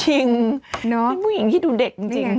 จริงเป็นผู้หญิงที่ดูเด็กจริง